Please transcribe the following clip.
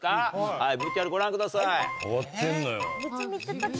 はいＶＴＲご覧ください。